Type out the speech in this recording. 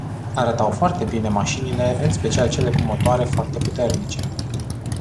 Arătau foarte bine mașinile în special cele cu motoare foarte puternice.